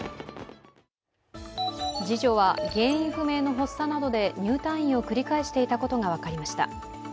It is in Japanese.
次女は原因不明の発作などで入退院を繰り返していたことが分かりました。